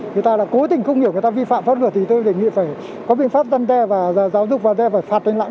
người ta là cố tình không hiểu người ta vi phạm pháp luật thì tôi đề nghị phải có biện pháp dân đe và giáo dục vào đây phải phạt lên lại